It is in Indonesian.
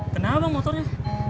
kenapa bang motornya